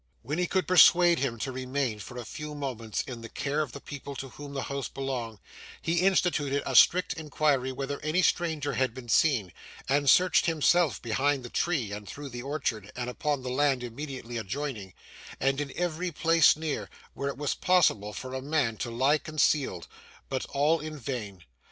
When he could persuade him to remain, for a few moments, in the care of the people to whom the house belonged, he instituted a strict inquiry whether any stranger had been seen, and searched himself behind the tree, and through the orchard, and upon the land immediately adjoining, and in every place near, where it was possible for a man to lie concealed; but all in vain.